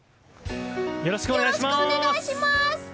よろしくお願いします！